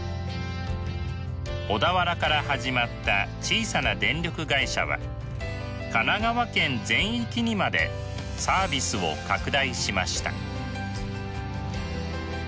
小田原から始まった小さな電力会社は神奈川県全域にまでサービスを拡大しました。